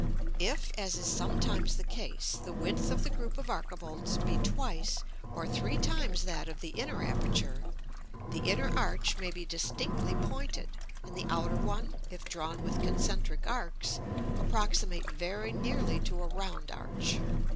If, as is sometimes the case, the width of the group of archivolts be twice or three times that of the inner aperture, the inner arch may be distinctly pointed, and the outer one, if drawn with concentric arcs, approximate very nearly to a round arch.